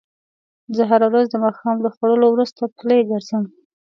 زه هره ورځ د ماښام د خوړو وروسته پلۍ ګرځم